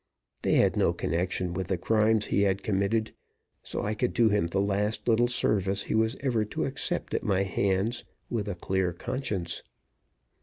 They had no connection with the crimes he had committed, so I could do him the last little service he was ever to accept at my hands with a clear conscience.